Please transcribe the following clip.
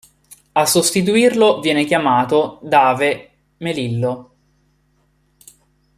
A sostituirlo viene chiamato Dave Melillo.